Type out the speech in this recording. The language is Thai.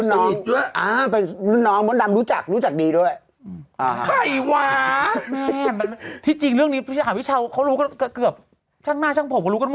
อ่ารุ่นน้องมดคนนึง